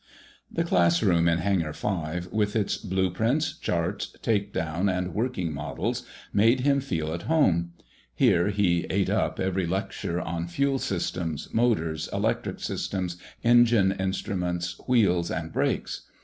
The classroom in Hangar V with its blueprints, charts, takedown and working models made him feel at home. Here he "ate up" every lecture on Fuel Systems, Motors, Electric Systems, Engine Instruments, Wheels, and Brakes.